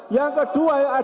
yang kedua ya ada